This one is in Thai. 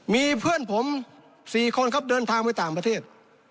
มีเพื่อนผม๔คนครับเดินทางไปต่างประเทศ